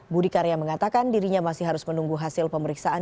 budi karya mengatakan dirinya masih harus menunggu hasil pemeriksaan